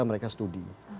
jadi mereka studi